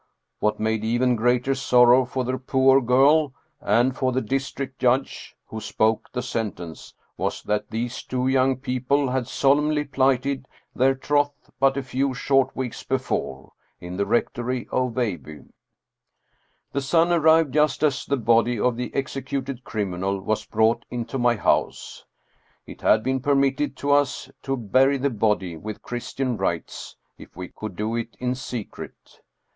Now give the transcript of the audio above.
What made even greater sorrow for the poor girl, and for the district judge who spoke the sentence, was that these two young people had solemnly plighted their troth but a few short weeks before, in the rectory of Veilbye. The son arrived just as the body of the exe cuted criminal was brought into my house. It had been permitted to us to bury the body with Christian rites, if we could do it in secret.